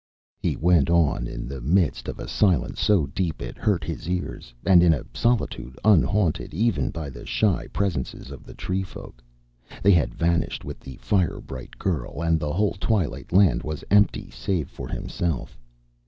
He went on in the midst of a silence so deep it hurt his ears, and in a solitude unhaunted even by the shy presences of the tree folk. They had vanished with the fire bright girl, and the whole twilight land was empty save for himself.